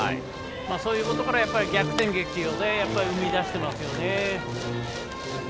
そういうところから逆転劇を生み出していますよね。